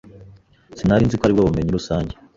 Sinari nzi ko aribwo bumenyi rusange.